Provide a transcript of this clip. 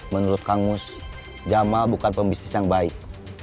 menurut kang mus jamal bukan pembisnis yang baik